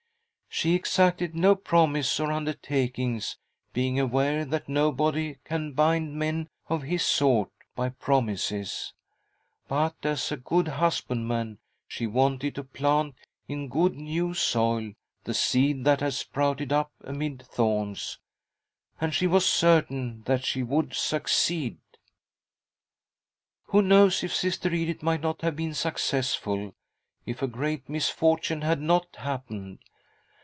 She exacted no promise or undertakings, being aware that nobody can bind men of his sort by promises, but, as a good husbandman, she wanted to plant, in good new soil, the seed that had sprouted up amid thorns — and she was certain that she would succeed." " Who knows if Sister Edith might not have been successful, if a great misfortune had not happened